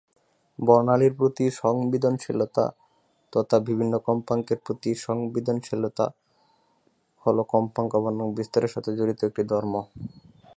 বর্ণালির প্রতি সংবেদনশীলতা তথা বিভিন্ন কম্পাঙ্কের প্রতি সংবেদনশীলতা হলো কম্পাঙ্ক বনাম বিস্তারের সাথে জড়িত একটি ধর্ম।